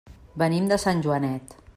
Venim de Sant Joanet.